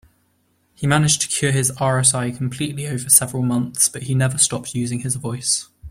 He managed to cure his RSI completely over several months, but he never stopped using his voice.